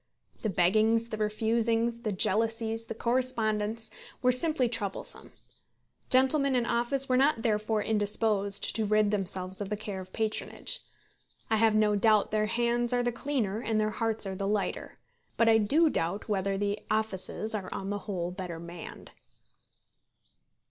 The beggings, the refusings, the jealousies, the correspondence, were simply troublesome. Gentlemen in office were not therefore indisposed to rid themselves of the care of patronage. I have no doubt their hands are the cleaner and their hearts are the lighter; but I do doubt whether the offices are on the whole better manned.